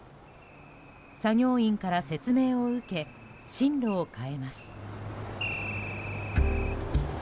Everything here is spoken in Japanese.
作業員からの説明を受け進路を変えます。